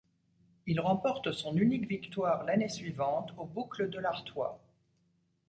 Il remporte son unique victoire l'année suivante, aux Boucles de l'Artois.